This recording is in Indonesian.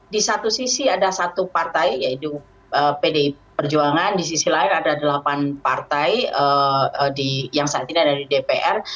di satu sisi ada satu partai yaitu pdi perjuangan di sisi lain ada delapan partai yang saat ini ada di dpr